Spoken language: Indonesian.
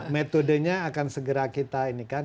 metodenya akan segera kita ini kan